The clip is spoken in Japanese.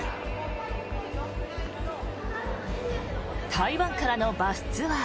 台湾からのバスツアー。